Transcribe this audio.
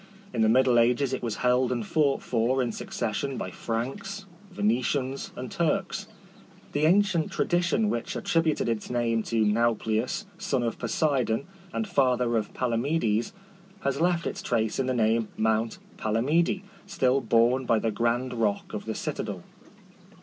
In the middle ages it was held and fought for in succession by Franks, Venetians, and Turks. The ancient tradition which attributed its name to Nau plius, son of Poseidon, and father of Palamedes, has left its trace in the name Mount Palamidhi, still borne by the grand rock of the citadel.